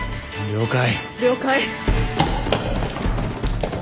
了解。